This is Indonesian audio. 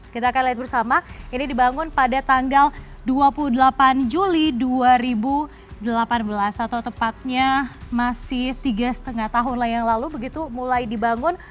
kita akan lihat bersama ini dibangun pada tanggal dua puluh delapan juli dua ribu delapan belas atau tepatnya masih tiga lima tahun yang lalu begitu mulai dibangun